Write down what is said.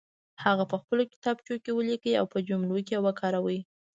هغه په خپلو کتابچو کې ولیکئ او په جملو کې وکاروئ.